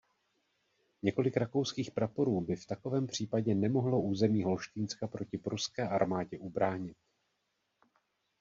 Několik rakouských praporů by v takovém případě nemohlo území Holštýnska proti pruské armádě ubránit.